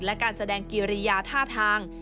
และการแสดงกิริยาท่าทาง